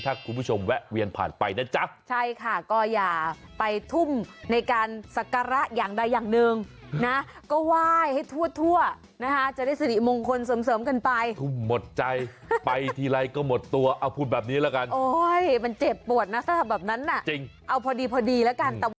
ตัวเอาพูดแบบนี้ละกันมันเจ็บปวดนะถ้าแบบนั้นนะเอาพอดีละกัน